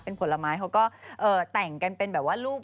เป็นผลไม้เขาก็แต่งกันเป็นแบบว่ารูป